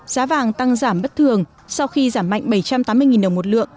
giá vàng tăng giảm bất thường sau khi giảm mạnh bảy trăm tám mươi đồng một lượng